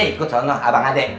iya ikut soalnya abang adek